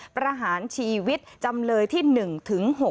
ประหารชีวิตจำเลยที่๑ถึง๖